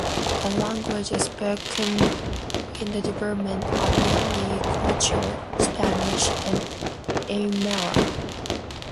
The languages spoken in the department are mainly Quechua, Spanish and Aymara.